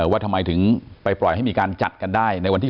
ว่าทำไมถึงไปปล่อยให้มีการจัดกันได้ในวันที่๑